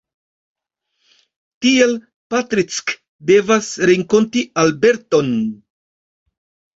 Tial Patrick devas renkonti Albert-on.